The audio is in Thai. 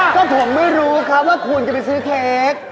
ก็ผมไม่รู้ครับว่าคุณจะไปซื้อเค้ก